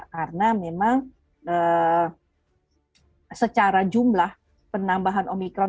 karena memang secara jumlah penambahan omikron